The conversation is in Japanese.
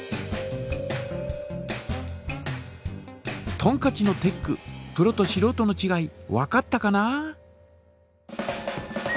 とんかちのテックプロとしろうとのちがいわかったかな？